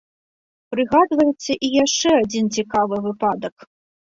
Прыгадваецца і яшчэ адзін цікавы выпадак.